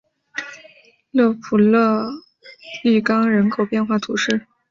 勒普利冈人口变化图示